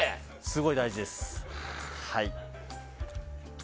すごい大事です。